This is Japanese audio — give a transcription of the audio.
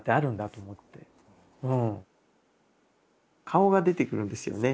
顔が出てくるんですよね